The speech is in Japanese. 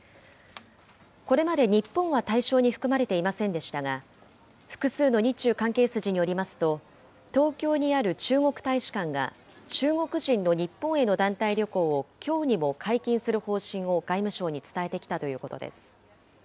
これまで日本は対象に含まれていませんでしたが、複数の日中関係筋によりますと、東京にある中国大使館が、中国人の日本への団体旅行をきょうにも解禁する方針を外務省に伝えてきたということです。